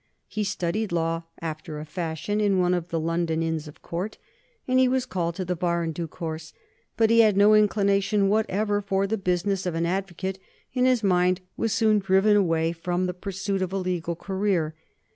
He studied law after a fashion in one of the London Inns of Court, and he was called to the Bar in due course; but he had no inclination whatever for the business of an advocate, and his mind was soon drawn away from the pursuit of a legal career.